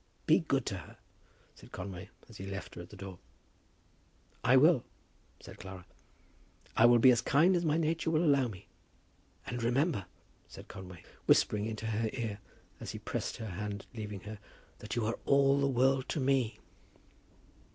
"Be good to her," said Conway, as he left her at the door. "I will," said Clara. "I will be as kind as my nature will allow me." "And remember," said Conway, whispering into her ear as he pressed her hand at leaving her, "that you are all the world to me."